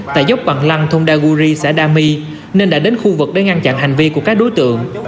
tại dốc quặng lăng thông đa guri xã đa my nên đã đến khu vực để ngăn chặn hành vi của các đối tượng